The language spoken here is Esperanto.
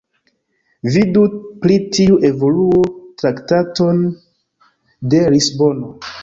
Vidu pri tiu evoluo Traktaton de Lisbono.